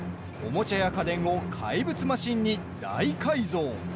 おもちゃや家電を怪物マシンに大改造。